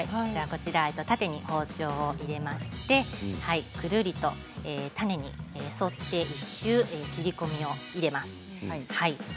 縦に包丁を入れましてくるりと種に沿って１周切り込みを入れます。